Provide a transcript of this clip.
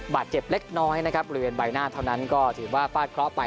บาดเจ็บเล็กน้อยนะครับบริเวณใบหน้าเท่านั้นก็ถือว่าฟาดเคราะห์ไป